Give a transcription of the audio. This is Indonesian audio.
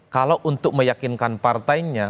kalau untuk meyakinkan partainya